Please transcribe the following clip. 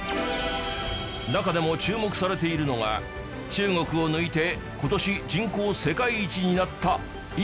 中でも注目されているのが中国を抜いて今年人口世界一になったインド